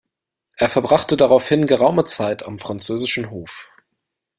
Er verbrachte daraufhin geraume Zeit am französischen Hof.